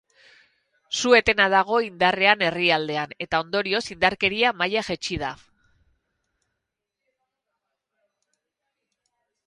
Su-etena dago indarrean herrialdean, eta, ondorioz, indarkeria-maila jaitsi da.